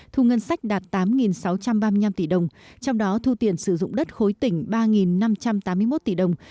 thu ngân sách đạt tám sáu trăm ba mươi năm tỷ đồng trong đó thu tiền sử dụng đất khối tỉnh ba năm trăm tám mươi một tỷ đồng